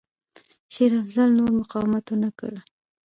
شېر افضل نور مقاومت ونه کړ.